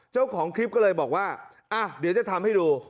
เจ้าของคลิปก็เลยบอกว่าเดี๋ยวจะทำให้ดู